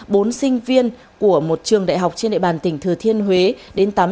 bốn sinh viên của một trường đại học trên đại bàn tỉnh thừa thiên huế đến tắm